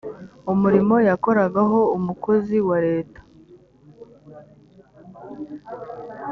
umurimo yakoragaho umukozi wa leta